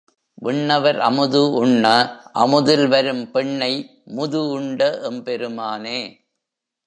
விண்ணவர் அமுது உண்ண அமுதில் வரும் பெண்ண முது உண்ட எம்பெருமானே!